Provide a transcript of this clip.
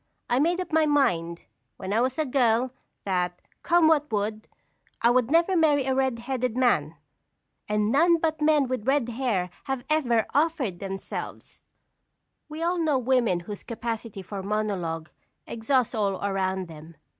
I made up my mind, when I was a girl, that, come what would, I would never marry a red headed man, and none but men with red hair have ever offered themselves." We all know women whose capacity for monologue exhausts all around them.